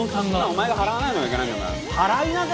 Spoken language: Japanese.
お前が払わないのがいけないんだお前払いなさい。